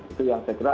itu yang saya kira